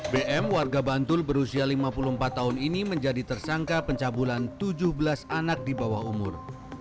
bm warga bantul berusia lima puluh empat tahun ini menjadi tersangka pencabulan tujuh belas anak di bawah umur